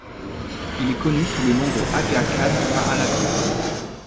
Il est connu sous le nom de Agha Khan Mahalati.